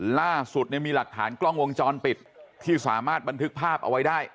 ล่าสุดมีหลักฐานกล้องวงจรปิดที่สามารถบันทึกภาพเอาไว้ได้